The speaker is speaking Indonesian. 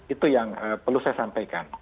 itu yang perlu saya sampaikan